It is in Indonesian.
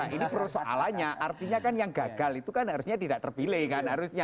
nah ini persoalannya artinya kan yang gagal itu kan harusnya tidak terpilih kan